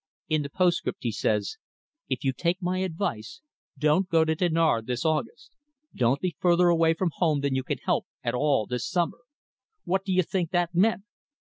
In the postscript he says: 'If you take my advice, don't go to Dinard this August. Don't be further away from home than you can help at all this summer.' What do you think that meant?"